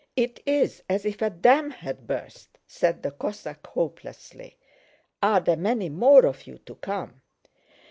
"It's as if a dam had burst," said the Cossack hopelessly. "Are there many more of you to come?"